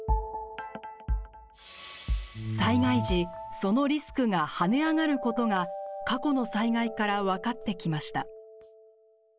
災害時、そのリスクが跳ね上がることが過去の災害から分かってきました。